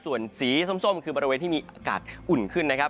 ส่วนสีส้มคือบริเวณที่มีอากาศอุ่นขึ้นนะครับ